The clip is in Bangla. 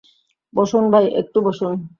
বসুন ভাই, একটু বসুন।